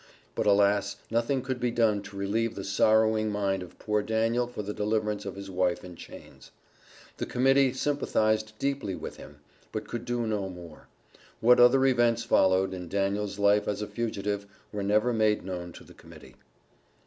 But, alas, nothing could be done to relieve the sorrowing mind of poor Daniel for the deliverance of his wife in chains. The Committee sympathized deeply with him, but could do no more. What other events followed, in Daniel's life as a fugitive, were never made known to the Committee.